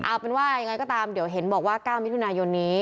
เอาเป็นว่ายังไงก็ตามเดี๋ยวเห็นบอกว่า๙มิถุนายนนี้